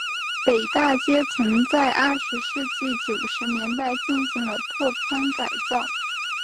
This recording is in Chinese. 北大街曾在二十世纪九十年代进行了拓宽改造。